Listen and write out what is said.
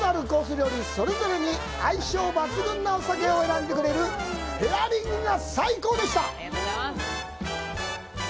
料理それぞれに相性抜群なお酒を選んでくれるペアリングが最高でした。